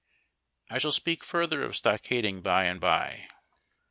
I shall speak further of stockading by and by.